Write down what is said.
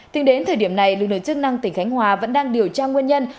tính đến thời điểm này lực lượng chức năng tỉnh khánh hòa vẫn đang điều tra nguyên nhân